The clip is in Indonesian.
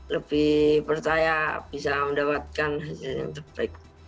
lebih percaya bisa mendapatkan hasil yang terbaik